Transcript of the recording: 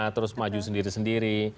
terus maju sendiri sendiri